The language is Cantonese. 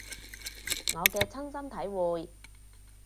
我嘅親身體會